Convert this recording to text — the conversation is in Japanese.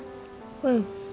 うん。